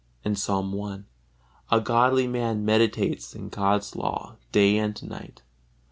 And Psalm i: "A godly man meditates in God's Law day and night."